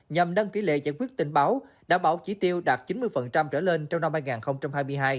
nhằm nâng tỷ lệ giải quyết tình báo đảm bảo chỉ tiêu đạt chín mươi trở lên trong năm hai nghìn hai mươi hai